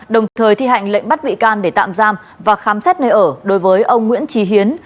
đồng thời thi hành lệnh bắt bị can để tạm giam và khám xét nơi ở đối với ông nguyễn trí hiến